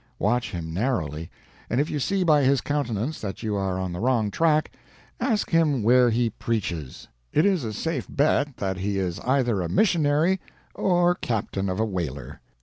Watch him narrowly, and if you see by his countenance that you are on the wrong track, ask him where he preaches. It is a safe bet that he is either a missionary or captain of a whaler.